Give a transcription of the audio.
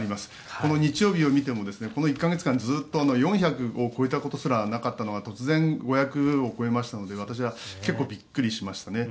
この日曜日を見てもこの１か月間ずっと４００を超えたことすらなかったのが突然５００を超えましたので私は結構びっくりしましたね。